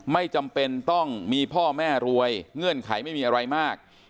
ไม่จำเป็นต้องมีพ่อแม่รวยเงื่อนไขไม่มีอะไรมาก